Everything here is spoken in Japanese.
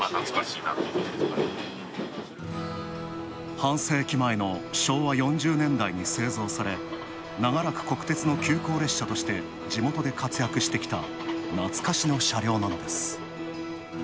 半世紀前の昭和４０年代に製造され、ながらく国鉄の急行列車として地元で活躍してきたなつかしの車両なのです。